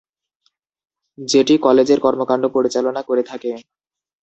যেটি কলেজের কর্মকাণ্ড পরিচালনা করে থাকে।